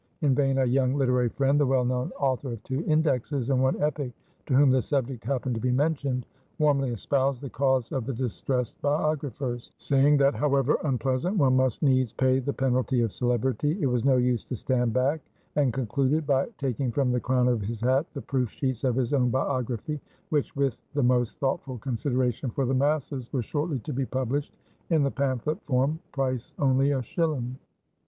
In vain a young literary friend, the well known author of two Indexes and one Epic, to whom the subject happened to be mentioned, warmly espoused the cause of the distressed biographers; saying that however unpleasant, one must needs pay the penalty of celebrity; it was no use to stand back; and concluded by taking from the crown of his hat the proof sheets of his own biography, which, with the most thoughtful consideration for the masses, was shortly to be published in the pamphlet form, price only a shilling.